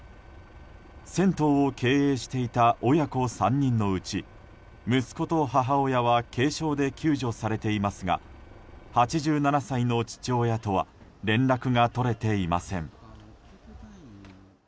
銭湯を経営していた親子３人のうち息子と母親は軽傷で救助されていますが８７歳の父親とは連絡が取れていません。